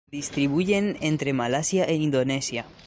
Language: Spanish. Se distribuyen entre Malasia e Indonesia.